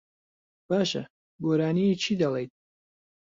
باشە، گۆرانیی چی دەڵێیت؟